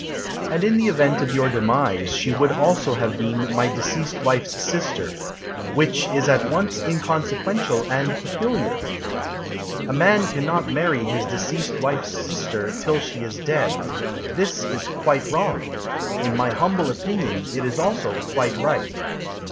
And in the event of your demise She would also have been My deceased wife's sister Which is at once inconsequential and peculiar. A man cannot marry his deceased wife's sister Till she is dead. This is quite wrong. In my humble opinion It is also quite right.